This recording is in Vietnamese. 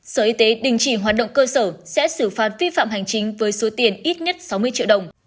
sở y tế đình chỉ hoạt động cơ sở sẽ xử phạt vi phạm hành chính với số tiền ít nhất sáu mươi triệu đồng